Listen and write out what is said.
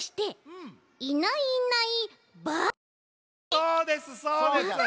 そうですそうです。